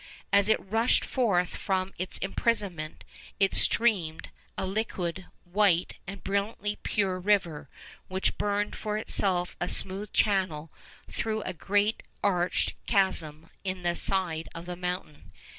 As it rushed forth from its imprisonment, it streamed, a liquid, white, and brilliantly pure river, which burned for itself a smooth channel through a great arched chasm in the side of the mountain.